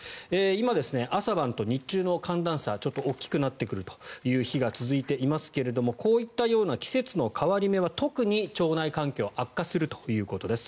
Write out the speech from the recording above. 今、朝晩と日中の寒暖差大きくなってくるという日が続いていますけれどもこういったような季節の変わり目は特に腸内環境が悪化するということです。